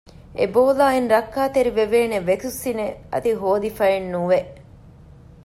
އެބޯލާއިން ރައްކާތެރިވެވޭނެ ވެކުސިނެއް އަދި ހޯދިފައެއް ނުވެ